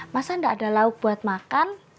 masa tidak ada lauk buat makan